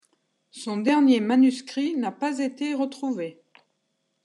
Son dernier manuscrit n’a pas été retrouvé.